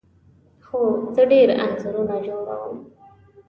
هو، زه ډیر انځورونه جوړوم